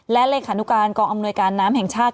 และเลขานุการกองอำนวยการน้ำแห่งชาติ